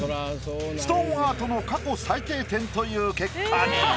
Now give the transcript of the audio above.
ストーンアートの過去最低点という結果に。